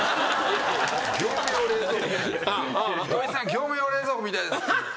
業務用冷蔵庫みたいです」